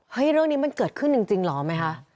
เรื่องนี้มันเกิดขึ้นจริงเหรอไหมคะ